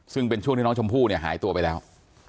ซึ่งเป็นช่วงที่น้องชมพู่เนี่ยหายตัวไปแล้ว